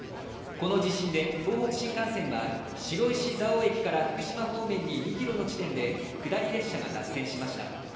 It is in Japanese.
この地震で東北新幹線は白石蔵王駅かち福島方面に２ｋｍの地点で下り列車が脱線しました。